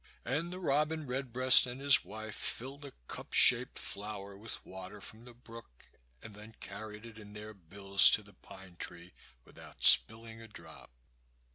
And the robin redbreast and his wife filled a cup shaped flower with water from the brook, and then carried it in their bills to the pine tree, without spilling a drop.